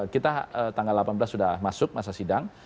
kita tanggal delapan belas sudah masuk masa sidang